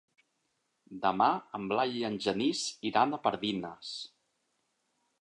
Demà en Blai i en Genís iran a Pardines.